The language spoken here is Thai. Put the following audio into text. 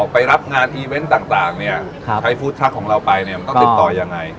อ๋อไปรับงานต่างต่างเนี้ยครับใช้ของเราไปเนี้ยมันต้องติดต่อยังไง